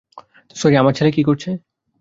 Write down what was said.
Sorry, আমার ছেলে কী করছে?